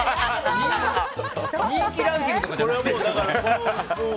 人気ランキングとかじゃなくて？